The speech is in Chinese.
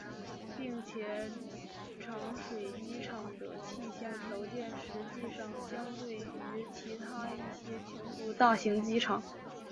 并且长水机场的气象条件实际上相对好于其他一些全国大型机场。